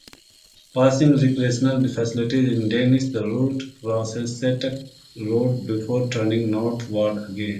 Passing recreational facilities in Dennis, the route crosses Setucket Road before turning northward again.